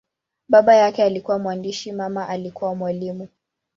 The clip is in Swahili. Baba yake alikuwa mwandishi, mama alikuwa mwalimu.